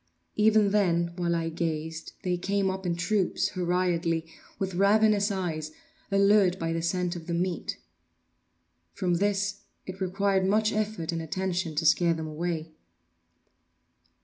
Even then, while I gazed, they came up in troops, hurriedly, with ravenous eyes, allured by the scent of the meat. From this it required much effort and attention to scare them away.